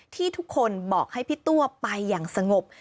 ที่ทุกคนบอกให้พี่ตัวไปอย่างสงบ